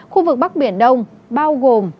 khu vực bắc biển đông bao gồm